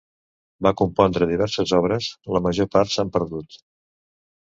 Va compondre diverses obres, la major part s'han perdut.